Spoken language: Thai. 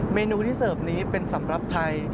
เมนูที่เสิร์ฟนี้เป็นสำหรับไทย